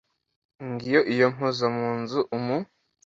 Ngiyo iyo mpoza mu nzu umu,